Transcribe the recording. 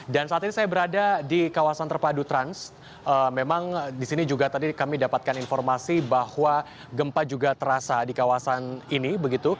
dan saat ini saya berada di kawasan terpadu trans memang di sini juga tadi kami dapatkan informasi bahwa gempa juga terasa di kawasan ini